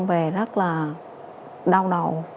về rất là đau đầu